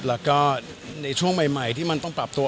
แล้วก็ในช่วงใหม่ที่มันต้องปรับตัว